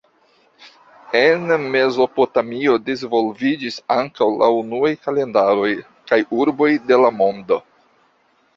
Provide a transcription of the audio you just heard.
En Mezopotamio disvolviĝis ankaŭ la unuaj kalendaroj kaj urboj de la mondo.